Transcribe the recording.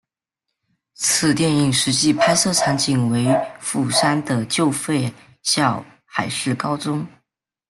此电影实际拍摄场景为釜山的旧废校海事高中。